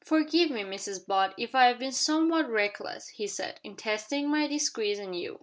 "Forgive me, Mrs Butt, if I have been somewhat reckless," he said, "in testing my disguise on you.